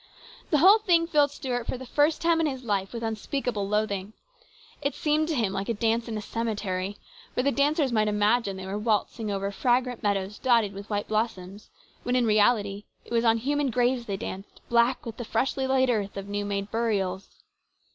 The whole thing filled Stuart, for the first time in his life, with unspeakable loathing. It seemed to him like a dance in a cemetery, where the dancers might imagine they were waltzing over fragrant meadows dotted with white blossoms, when in reality it was on human graves they danced, black with the freshly laid earth of new made burials.